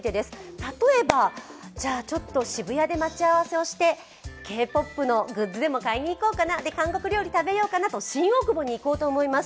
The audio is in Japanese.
例えば、ちょっと渋谷で待ち合わせして、Ｋ−ＰＯＰのグッズでも買いにいこうかな、韓国料理食べようかなと新大久保に行こうと思います。